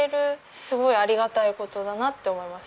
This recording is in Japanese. すごいありがたい事だなって思います。